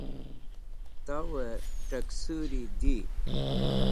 Tawey Taksuri Di